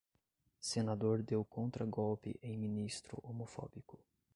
Senador deu contragolpe em ministro homofóbico